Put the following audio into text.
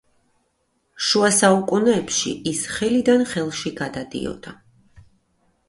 შუა საუკუნეებში ის ხელიდან ხელში გადადიოდა.